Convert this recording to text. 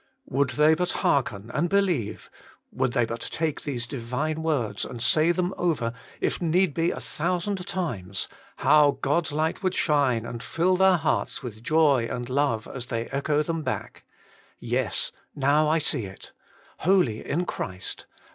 Would they but hearken, and believe; would they but take these Divine words, and say them over, if need be, a thousand times, how God's light would shine, and fill their hearts with joy and love as they echo them back : Yes, now I see it. Holy in Christ